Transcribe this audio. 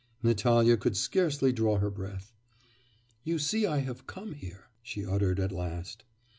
Natalya could scarcely draw her breath. 'You see I have come here,' she uttered, at last.